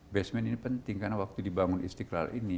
basement ini penting karena waktu dibangun istiqlal ini